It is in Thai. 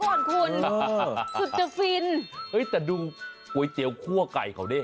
ขอบคุณอืมสุดเจอด์ฟินเอ้ยแต่ดูก๋วยเตี๋ยวคั่วไก่เขาดิ